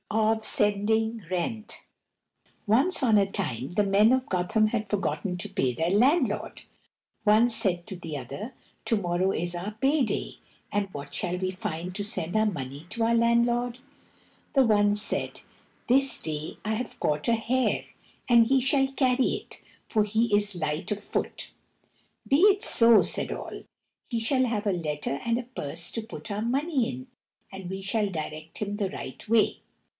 Of Sending Rent Once on a time the men of Gotham had forgotten to pay their landlord. One said to the other, "To morrow is our pay day, and what shall we find to send our money to our landlord?" The one said, "This day I have caught a hare, and he shall carry it, for he is light of foot." "Be it so," said all; "he shall have a letter and a purse to put our money in, and we shall direct him the right way."